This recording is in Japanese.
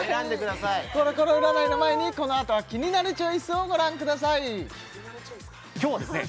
コロコロ占いの前にこの後は「キニナルチョイス」をご覧ください今日はですね